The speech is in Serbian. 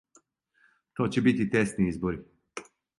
То ће бити тесни избори.